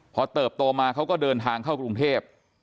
พอเติบโตมาเขาก็เดินทางเข้ากรุงเทพ